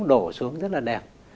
đổ xuống rất là đẹp